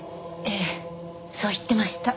ええそう言ってました。